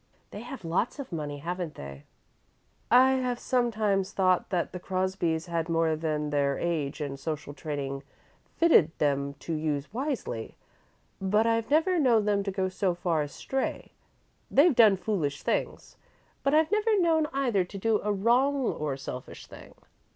"They have lots of money, haven't they?" "I have sometimes thought that the Crosbys had more than their age and social training fitted them to use wisely, but I've never known them to go far astray. They've done foolish things, but I've never known either to do a wrong or selfish thing.